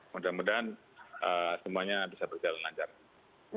mudah mudahan semuanya bisa berjalan lancar